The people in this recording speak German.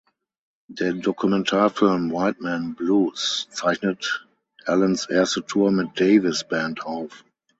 Der Dokumentarfilm "Wild Man Blues" zeichnet Allens erste Tour mit Davis’ Band auf.